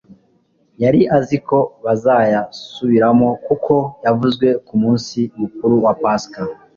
Yari azi ko bazayasubiramo. Kuko yavuzwe ku munsi mukuru wa Pasika,